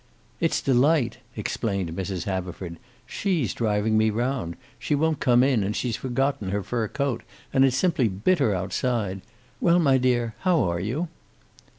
"It's Delight," explained Mrs. Haverford. "She's driving me round. She won't come in, and she's forgotten her fur coat. And it's simply bitter outside. Well, my dear, how are you?"